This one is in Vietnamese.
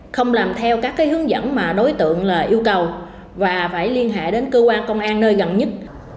không làm theo các hướng dẫn mà đối tượng yêu cầu và phải liên hệ đến cơ quan công an nơi gần nhất